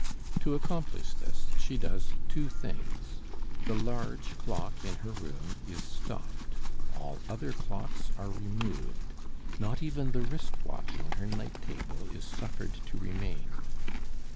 To accomplish this, she does two things: the large clock in her room is stopped, all other clocks are removed; not even the wrist watch on her night table is suffered to remain.